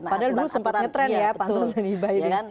padahal dulu sempatnya tren ya bansos dan hibah ini